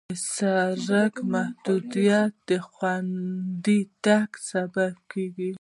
د سړک سرعت محدودیت د خوندي تګ سبب دی.